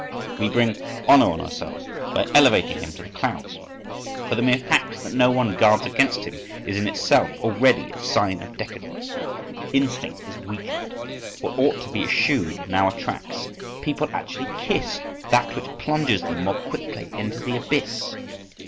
… We bring honour on ourselves by elevating him to the clouds—For the mere fact that no one guards against him is in itself already a sign of decadence. Instinct is weakened, what ought to be eschewed now attracts. People actually kiss that which plunges them more quickly into the abyss.